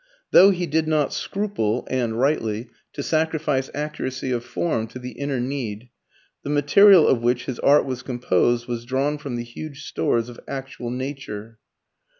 Though he did not scruple, and rightly, to sacrifice accuracy of form to the inner need, the material of which his art was composed was drawn from the huge stores of actual nature.